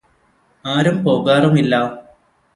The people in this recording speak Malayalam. ആരും പോകാറുമില്ല